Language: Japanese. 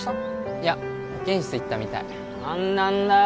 いや保健室行ったみたい何なんだよ